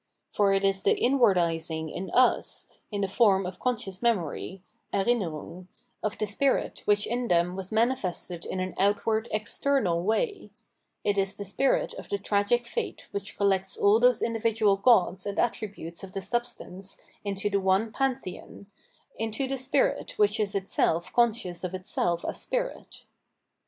For it is the inwardising in us, in the form of conscious memory (Er innerung), of the spirit which in them was manifested in an outward external way ;— it is the spirit of the tragic fate which collects all those individual gods and at tributes of the substance into the one Pantheon, into the spirit which is itself conscious of itself as spirit.